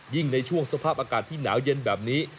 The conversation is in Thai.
ในช่วงสภาพอากาศที่หนาวเย็นแบบนี้